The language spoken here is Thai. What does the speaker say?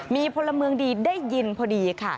มีพลเมืองดีได้ยินพอดีค่ะ